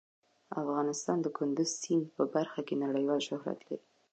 افغانستان د کندز سیند په برخه کې نړیوال شهرت لري.